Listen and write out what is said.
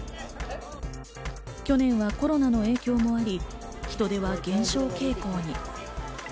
去年はコロナの影響もあり、人出は減少傾向に。